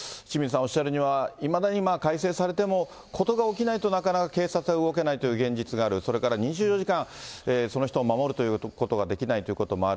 おっしゃるには、いまだに改正されても、事が起きないと、なかなか警察は動けないという現実がある、それから２４時間、その人を守ることはできないということもある。